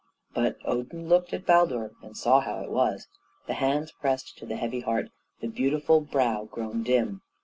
But Odin looked at Baldur, and saw how it was. The hands pressed to the heavy heart, the beautiful brow grown dim.